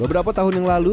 beberapa tahun yang lalu